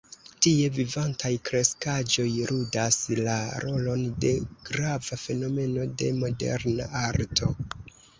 Tie vivantaj kreskaĵoj ludas la rolon de grava fenomeno de moderna arto.